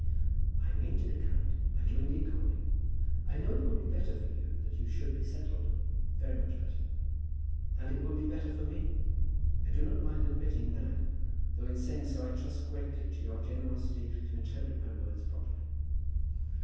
"I mean to be kind. I do, indeed, Conway. I know it will be better for you that you should be settled, very much better. And it will be better for me. I do not mind admitting that; though in saying so I trust greatly to your generosity to interpret my words properly."